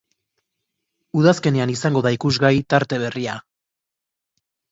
Udazkenean izango da ikusgai tarte berria.